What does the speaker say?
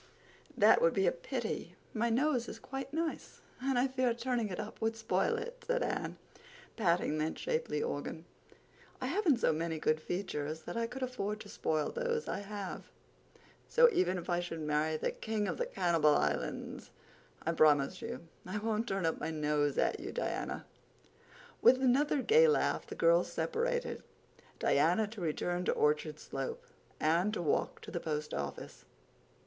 "That would be a pity; my nose is quite nice, but I fear turning it up would spoil it," said Anne, patting that shapely organ. "I haven't so many good features that I could afford to spoil those I have; so, even if I should marry the King of the Cannibal Islands, I promise you I won't turn up my nose at you, Diana." With another gay laugh the girls separated, Diana to return to Orchard Slope, Anne to walk to the Post Office.